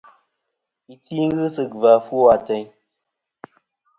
Iti ghɨ sɨ gvà ɨfwo ateyn.